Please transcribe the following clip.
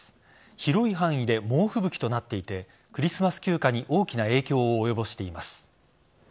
広い範囲で猛吹雪となっていてクリスマス休暇に大きな影響を及ぼしています。